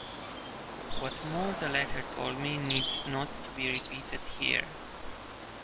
What more the letter told me needs not to be repeated here.